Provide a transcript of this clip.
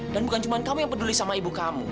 dan bukan cuma kamu yang peduli sama ibu kamu